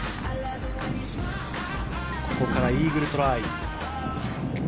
ここからイーグルトライ。